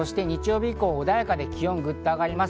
そして日曜日以降はおだやかで気温がグッと上がります。